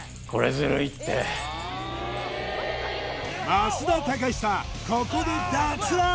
増田貴久ここで脱落！